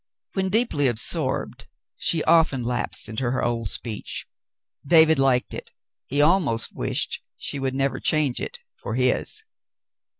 When deeply absorbed, she often lapsed into her old speech. David liked it. He almost wished she would never change it for his.